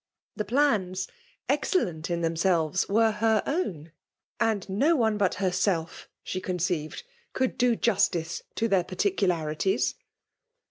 Tlie jitaiM, excellent in themaelvesy were her own : aad BO one but herself, she conceived, could do juetice to their particularities.